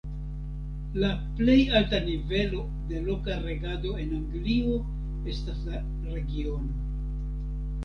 La plej alta nivelo de loka regado en Anglio estas la regiono.